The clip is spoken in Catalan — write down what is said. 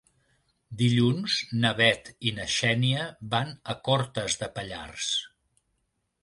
Dilluns na Bet i na Xènia van a Cortes de Pallars.